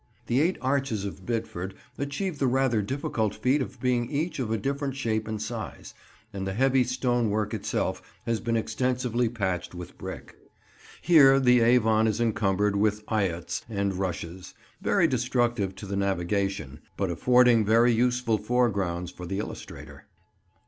The eight arches of Bidford achieve the rather difficult feat of being each of a different shape and size, and the heavy stonework itself has been extensively patched with brick. Here the Avon is encumbered with eyots and rushes, very destructive to the navigation, but affording very useful foregrounds for the illustrator.